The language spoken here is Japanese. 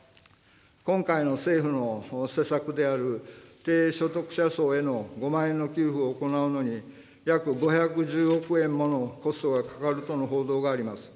今回の政府の施策である低所得者層への５万円の給付を行うのに、約５１０億円ものコストがかかるとの報道があります。